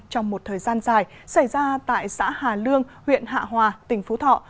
trong một thời gian dài xảy ra tại xã hà lương huyện hạ hòa tỉnh phú thọ